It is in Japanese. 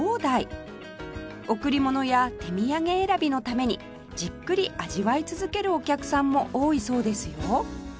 贈り物や手土産選びのためにじっくり味わい続けるお客さんも多いそうですよ